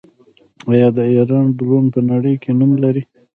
آیا د ایران ډرون په نړۍ کې نوم نلري؟